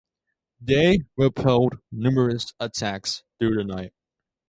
They repelled numerous attacks through the night.